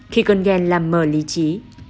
khi cơn ghen làm mờ lý trí